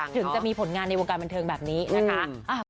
ถึงจะมีผลงานในวงการบันเทิงแบบนี้นะคะ